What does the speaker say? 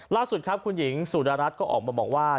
ล่าสุดครับคุณหญิงสุดารัฐก็ออกมาบอกว่า